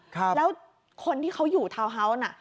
แล้วคนที่เขาอยู่ทาวน์เฮาส์น่ะ